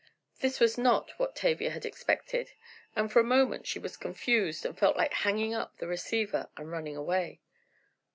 This was not what Tavia had expected, and for a moment she was confused and felt like hanging up the receiver and running away.